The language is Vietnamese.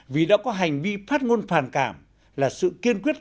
vì đã có hành vi phát ngôn phàn cảm là sự kiên quyết